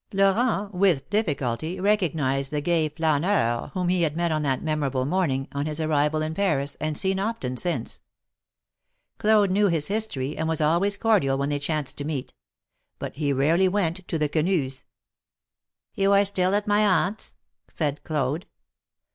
riorent with difficulty recognized the gay flaneur whom he had met on that memorable morning, on his arrival in Paris, and seen often since. Claude knew his history, and was always cordial when they chanced to meet; but he rarely went to the Quenus'. '^You are still at my Aunt's ?" said Claude.